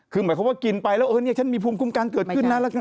คือหมายความว่ากินไปแล้วฉันมีภูมิคุ้มการเกิดขึ้นน่ะ